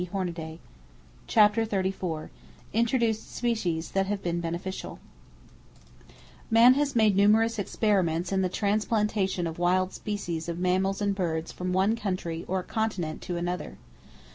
[Page 324] CHAPTER XXXIV INTRODUCED SPECIES THAT HAVE BEEN BENEFICIAL Man has made numerous experiments in the transplantation of wild species of mammals and birds from one country, or continent, to another.